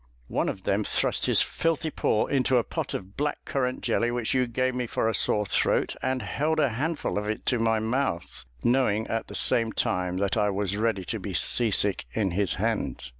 One of them thrust his filthy paw into a pot of black currant jelly, which you gave me for a sore throat, and held a handful of it to my mouth, knowing at the same time that I was ready to be sea sick in his hand."